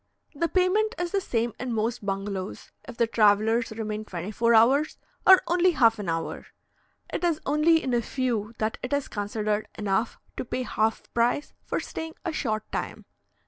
The payment is the same in most bungalows, if the travellers remain twenty four hours or only half an hour; it is only in a few that it is considered enough to pay half price for staying a short time.